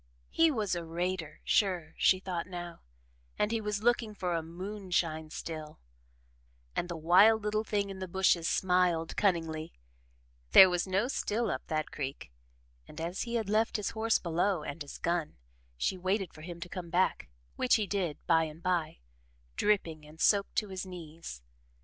He was a "raider" sure, she thought now, and he was looking for a "moonshine" still, and the wild little thing in the bushes smiled cunningly there was no still up that creek and as he had left his horse below and his gun, she waited for him to come back, which he did, by and by, dripping and soaked to his knees.